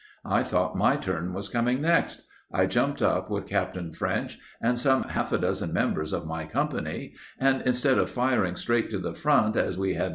I thought my turn was coming next. I jumped up with Captain French, and some half a dozen members of my company and, instead of firing straight to the front, as we had been doing